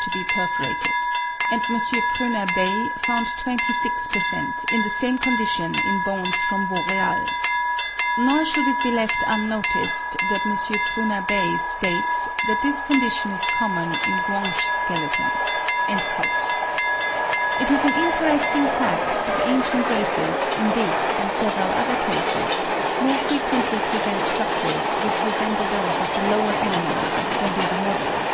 to be perforated; and M. Pruner Bey found twenty six per cent. in the same condition in bones from Vaureal. Nor should it be left unnoticed that M. Pruner Bey states that this condition is common in Guanche skeletons." It is an interesting fact that ancient races, in this and several other cases, more frequently present structures which resemble those of the lower animals than do the modern.